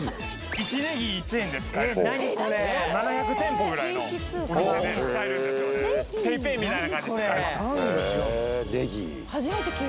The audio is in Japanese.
１ｎｅｇｉ１円で使える７００店舗ぐらいのお店で使えるんですよねＰａｙＰａｙみたいな感じで使われますへえー